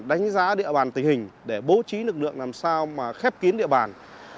đánh giá địa bàn tình hình để bố trí lực lượng làm sao mà khép kín địa bàn